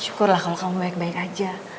syukurlah kalau kamu baik baik aja